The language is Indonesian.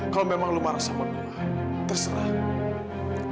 kalau memang lu marah sama gue terserah